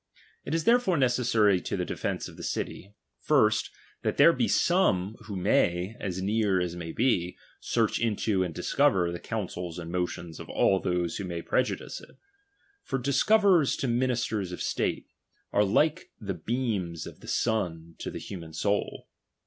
It is there fore necessary to the defence of the city, first, that there be some who may, as near as may be, search hito and discover the counsels and motions of all those who may prejudice it. For discover ers to ministers of state, are like the beams of the sun to the human soul.